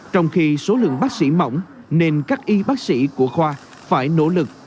trong khi số lượng bác sĩ mỏng nên các y bác sĩ của khoa phải nỗ lực